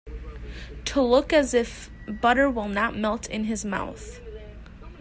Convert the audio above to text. To look as if butter will not melt in his mouth.